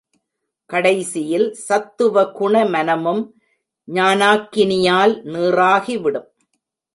கடைசியில் சத்துவகுண மனமும் ஞானாக்கினியால் நீறாகி விடும்.